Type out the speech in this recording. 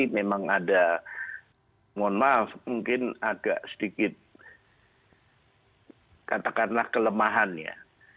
memang ada mohon maaf mungkin agak sedikit katakanlah kelemahannya